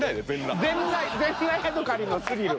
全裸ヤドカリのスリル。